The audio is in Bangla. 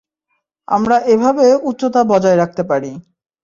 আমরা এভাবে উচ্চতা বজায় রাখতে পারি।